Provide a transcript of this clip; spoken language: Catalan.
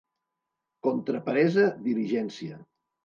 Contra peresa, diligencia.